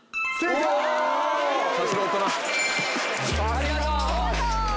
ありがとう。